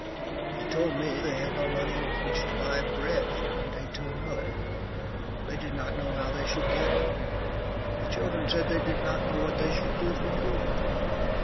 They told me they had no money with which to buy bread from one day to another. They did not know how they should get it. The children said they did not know what they should do for food.